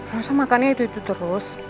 masa makannya itu itu terus